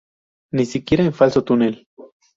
Ni siquiera en falso túnel.